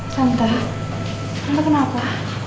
santa santa kenapa